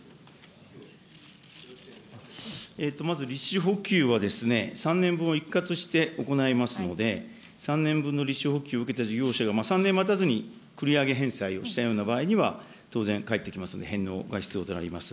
まず利子補給は３年分を一括して行いますので、３年分の利子補給を受けた事業者が３年待たずに繰り上げ返済をしたような場合には、当然返ってきますので返納が必要であります。